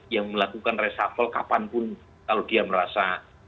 yang melakukan reshuffle kapanpun kalau dia merasa